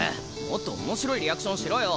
もっと面白いリアクションしろよ！